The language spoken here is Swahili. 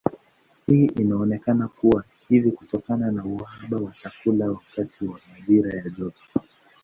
Hii inaonekana kuwa hivi kutokana na uhaba wa chakula wakati wa majira ya joto.